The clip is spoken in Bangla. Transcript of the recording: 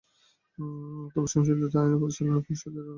তবে সংশোধিত আইনে পরিচালনা পর্ষদের সঙ্গে আলোচনা করেই বাছাই কমিটি করার কথা।